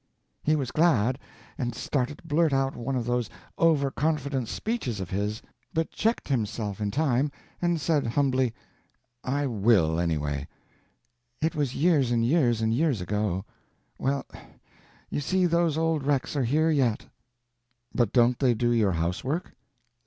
He was glad, and started to blurt out one of those over confident speeches of his, but checked himself in time, and said humbly, 'I will, anyway.' It was years and years and years ago. Well, you see those old wrecks are here yet." "But don't they do your housework?"